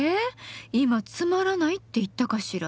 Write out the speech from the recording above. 今「つまらない」って言ったかしら？